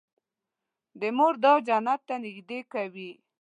د مور دعا جنت ته نږدې کوي.